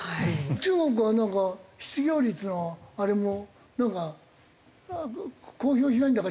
中国はなんか失業率のあれも公表しないんだか